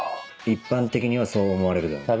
一般的にはそう思われるだろう。